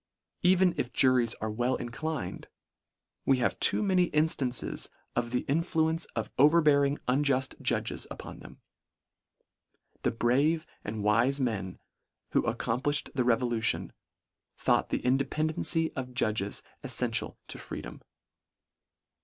Even if juries are well inclined, we have too many instances of the influence of overbearing unjuft judges upon them. The brave and wife men who accomplished the revolution, thought the independency of judges ellential to freedom.